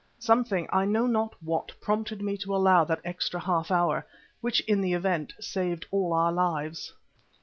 Something, I know not what, prompted me to allow that extra half hour, which in the event, saved all our lives.